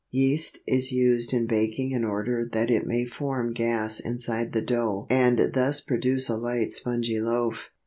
Yeast is used in baking in order that it may form gas inside the dough and thus produce a light spongy loaf.